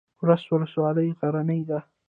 ورس ولسوالۍ غرنۍ ده؟